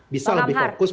bisa lebih fokus